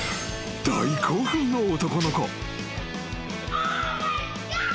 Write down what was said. ［大興奮の男の子］